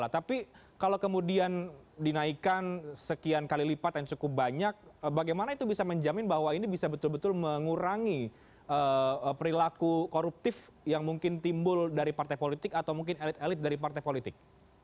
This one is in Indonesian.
tapi kalau kemudian dinaikkan sekian kali lipat yang cukup banyak bagaimana itu bisa menjamin bahwa ini bisa betul betul mengurangi perilaku koruptif yang mungkin timbul dari partai politik atau mungkin elit elit dari partai politik